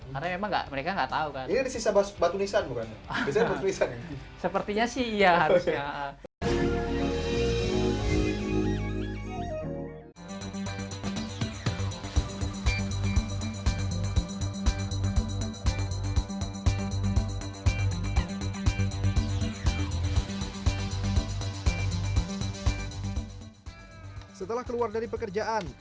karena mereka memang tidak tahu kan